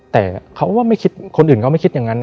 แต่เขาก็ไม่คิดคนอื่นเขาไม่คิดอย่างนั้นนะ